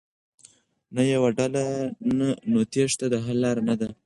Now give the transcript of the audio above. نه يوه ډله ،نو تېښته د حل لاره نه ده.